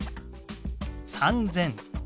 ３０００。